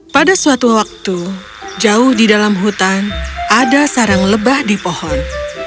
pada suatu waktu jauh di dalam hutan ada sarang lebah di pohon